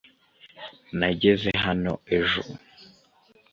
nageze hano ejo